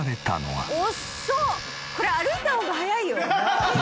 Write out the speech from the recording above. これ歩いた方が速いよ」